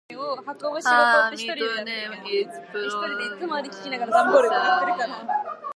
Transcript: Her middle name is pronounced Sha-neen.